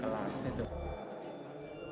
kedua kamera yang bisa mengikuti video siswa di rumah